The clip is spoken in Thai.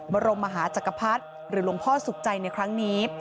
บรมมหาจักรพรรดิหรือหลวงพ่อสุขใจในครั้งนี้